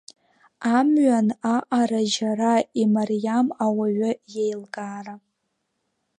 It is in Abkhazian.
Амҩан аҟара џьара имариам ауаҩы иеилкаара.